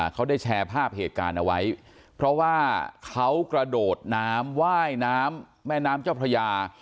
เขาได้แชร์ภาพเหตุการณ์เอาไว้เพราะว่าเขากระโดดน้ำว่ายน้ำแม่น้ำเจ้าพระยา